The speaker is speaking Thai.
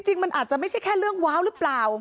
จริงมันอาจจะไม่ใช่แค่เรื่องว้าวหรือเปล่า